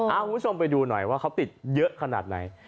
คุณผู้ชมไปดูหน่อยว่าเขาติดเยอะขนาดไหน